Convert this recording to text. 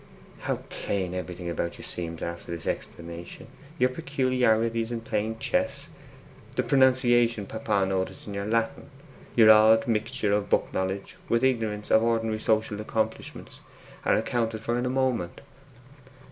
'How plain everything about you seems after this explanation! Your peculiarities in chess playing, the pronunciation papa noticed in your Latin, your odd mixture of book knowledge with ignorance of ordinary social accomplishments, are accounted for in a moment.